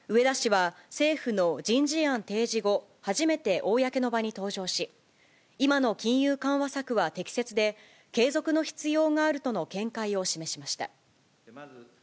はい政府の人事案提示後、初めて公の場に登場し、今の金融緩和策は適切で、継続の必要があるとの見解を示しました。